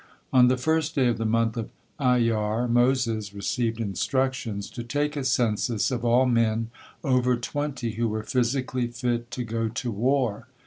On the first day of the month of Iyyar, Moses received instructions to take a census of all men over twenty who were physically fit to go to war.